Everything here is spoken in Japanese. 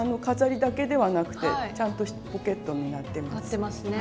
飾りだけではなくてちゃんとポケットになってます。